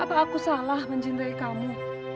apa aku salah mencintai kamu